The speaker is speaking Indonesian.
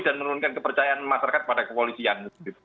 dan menurunkan kepercayaan masyarakat pada kepolisian